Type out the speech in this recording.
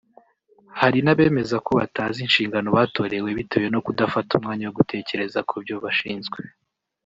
Hari n’abemeza ko batazi inshingano batorewe bitewe no kudafata umwanya wo gutekereza ku byo bashinzwe